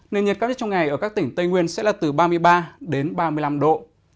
nền nhiệt cao nhất trong ngày ở các tỉnh tây nguyên sẽ là từ ba mươi ba đến ba mươi năm độ